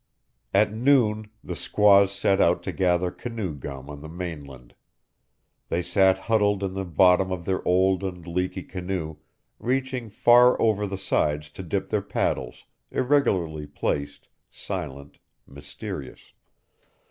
At noon the squaws set out to gather canoe gum on the mainland. They sat huddled in the bottom of their old and leaky canoe, reaching far over the sides to dip their paddles, irregularly placed, silent, mysterious.